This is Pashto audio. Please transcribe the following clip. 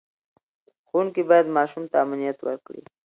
ښوونکي باید ماشوم ته امنیت ورکړي.